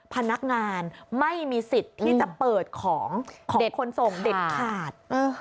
พนักงานไม่มีสิทธิ์ที่จะเปิดของของเด็กคนส่งเด็ดขาด